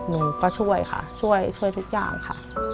หนูก็ช่วยค่ะช่วยช่วยทุกอย่างค่ะ